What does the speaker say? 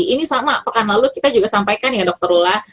ini sama pekan lalu kita juga sampaikan ya dokter lula